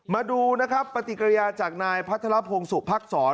มาดูนะครับปฏิกริยาจากนายพัฒนาพงศุภักดิ์สอน